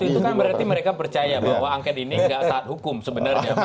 revisi dua ratus satu itu berarti mereka percaya bahwa angket ini tidak saat hukum sebenarnya